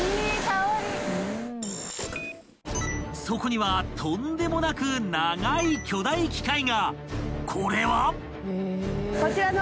［そこにはとんでもなく長い巨大機械が］